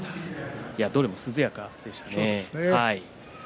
どれも涼やかでしたね。